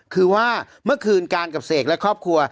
คือว่าเมื่อคืนการกับเสกและครอบครัว